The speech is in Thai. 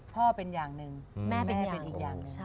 พ่อเป็นอย่างหนึ่งแม่เป็นอีกอย่างหนึ่ง